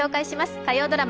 火曜ドラマ